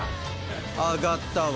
あがったわ。